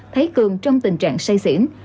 thấy cường trong tình trạng say xỉn